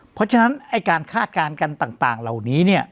เพราะฉะนั้นไอ้การคาดการณ์กันต่างเหล่านี้เนี่ย